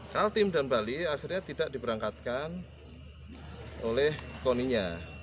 kaltim dan bali akhirnya tidak diberangkatkan oleh koninya